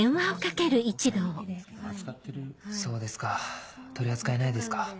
そうですか取り扱いないですか。